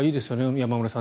山村さん